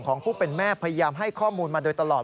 ของผู้เป็นแม่พยายามให้ข้อมูลมาโดยตลอด